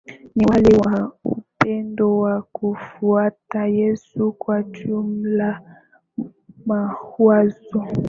ni yale ya upendo ya kumfuata Yesu Kwa jumla mawazo